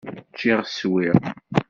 Ččiɣ, swiɣ.